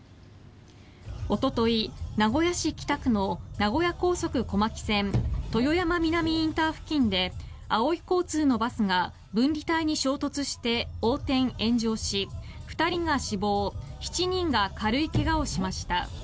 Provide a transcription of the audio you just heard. おととい、名古屋市北区の名古屋高速小牧線豊山南ＩＣ付近であおい交通のバスが分離帯に衝突して横転・炎上し２人が死亡７人が軽い怪我をしました。